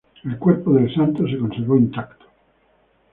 El cuerpo del santo se conservó intacto.